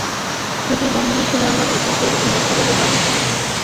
আমি ব্রাহ্মণের ছেলে আমার দুর্গের খবরে কাজ কী।